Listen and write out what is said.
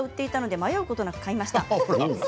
迷うことなく買いました。